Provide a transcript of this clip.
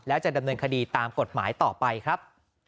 และจะดำเนินคดีตามกฎหมายต่อไปครับ